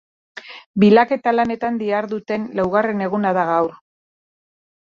Bilaketa-lanetan diharduten laugarren eguna da gaur.